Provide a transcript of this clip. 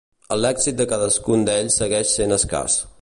El lèxic de cadascun d'ells segueix sent escàs.